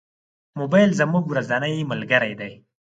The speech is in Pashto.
موبایل زموږ ورځنی ملګری دی.